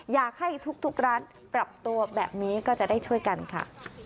อยากให้ทุกร้านปรับตัวแบบนี้ก็จะได้ช่วยกันค่ะ